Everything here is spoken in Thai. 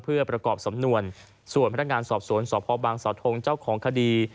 เพื่อประกอบสำนวนส่วนพนักงานสอบสวนสพบางสาวทงเจ้าของคดี